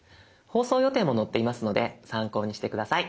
放送予定も載っていますので参考にして下さい。